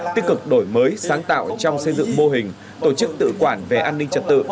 tích cực đổi mới sáng tạo trong xây dựng mô hình tổ chức tự quản về an ninh trật tự